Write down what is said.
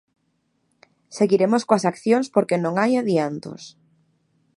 "Seguiremos coas accións porque non hai adiantos".